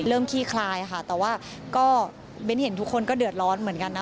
ขี้คลายค่ะแต่ว่าก็เบ้นเห็นทุกคนก็เดือดร้อนเหมือนกันนะ